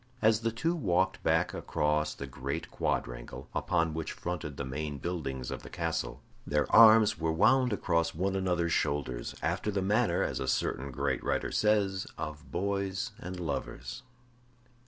As the two walked back across the great quadrangle, upon which fronted the main buildings of the castle, their arms were wound across one another's shoulders, after the manner, as a certain great writer says, of boys and lovers.